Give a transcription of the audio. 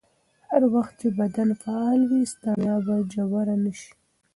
هر وخت چې بدن فعال وي، ستړیا به ژوره نه شي.